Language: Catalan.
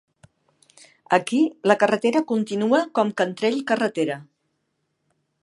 Aquí, la carretera continua com Cantrell carretera.